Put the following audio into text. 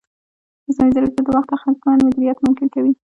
مصنوعي ځیرکتیا د وخت اغېزمن مدیریت ممکن کوي.